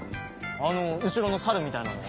あの後ろのサルみたいなのは？